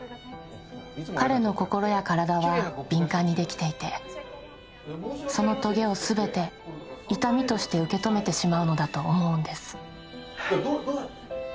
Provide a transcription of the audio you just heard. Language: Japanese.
彼の心や体は敏感にできていてそのトゲを全て痛みとして受け止めてしまうのだと思うんです